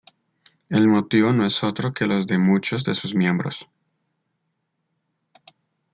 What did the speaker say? El motivo no es otro que los de muchos de sus miembros.